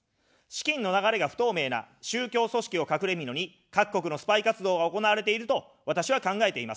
資金の流れが不透明な宗教組織を隠れみのに各国のスパイ活動が行われていると、私は考えています。